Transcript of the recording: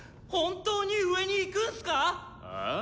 本当に上に行くんスか⁉あ？